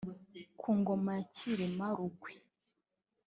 Ku ngoma ya Cyilima Rugwe